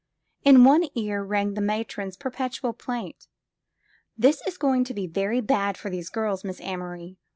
In one ear rang the matron's perpetual plaint: This is going to be very bad for these girla, Miss Amory.